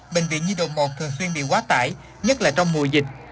bệnh viện nhi đồng một thường xuyên bị quá tải nhất là trong mùa dịch